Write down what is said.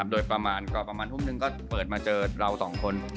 โดยประมาณทุ่มนึงก็เปิดมาเจอเราสองคน